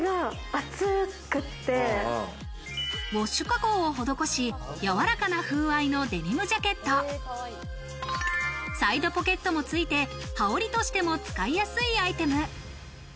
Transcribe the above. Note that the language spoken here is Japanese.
ウォッシュ加工を施し、やわらかな風合いのデニムジャケット、サイドポケットもついて、羽織としても使いやすいアイテム。